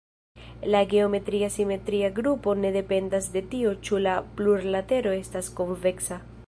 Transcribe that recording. La geometria simetria grupo ne dependas de tio ĉu la plurlatero estas konveksa.